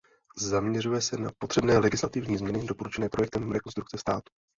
Zaměřuje se na potřebné legislativní změny doporučené projektem Rekonstrukce státu.